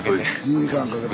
２時間かけて。